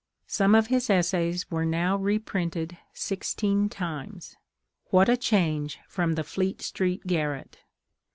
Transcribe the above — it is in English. Some of his essays were now reprinted sixteen times. What a change from the Fleet Street garret!